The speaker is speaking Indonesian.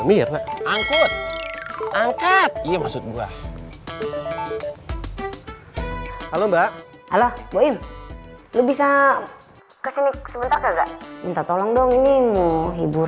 iya maksud gua halo mbak halo lo bisa ke sini sebentar enggak minta tolong dong ini mau hibur